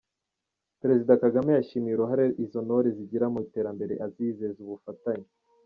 Perezida Kagame yashimiye uruhare izo ntore zigira mu iterambere azizeza ubufatanye.